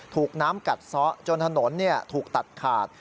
ถูกน้ำกัดซ้อจนถนนถูกตัดขาด